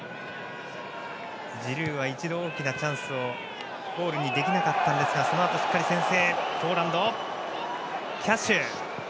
ジルーは一度大きなチャンスをゴールにできませんでしたがそのあとしっかり先制。